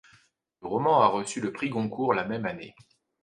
Le roman a reçu le Prix Goncourt la même année.